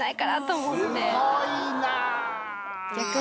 すごいな。